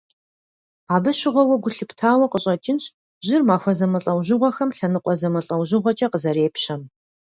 Абы щыгъуэ уэ гу лъыптауэ къыщӀэкӀынщ жьыр махуэ зэмылӀэужьыгъуэхэм лъэныкъуэ зэмылӀэужьыгъуэкӀэ къызэрепщэм.